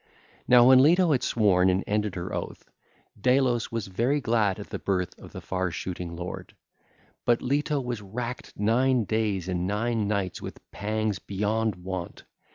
89 101) Now when Leto had sworn and ended her oath, Delos was very glad at the birth of the far shooting lord. But Leto was racked nine days and nine nights with pangs beyond wont.